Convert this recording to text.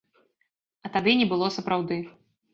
А тады не было сапраўды.